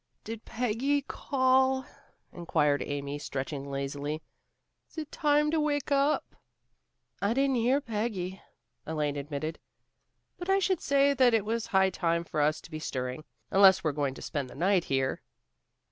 "Did Peggy call?" inquired Amy stretching lazily. "Is it time to wake up?" "I didn't hear Peggy," Elaine admitted. "But I should say that it was high time for us to be stirring, unless we're going to spend the night here."